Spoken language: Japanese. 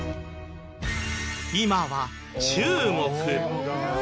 今は中国。